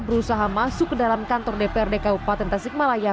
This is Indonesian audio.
berusaha masuk ke dalam kantor dprd ku patentasik malaya